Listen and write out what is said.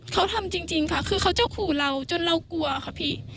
เขาทำจริงค่ะคือเขาจะขู่เราจนเรากลัวค่ะพี่